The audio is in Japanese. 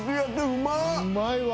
うまいわ。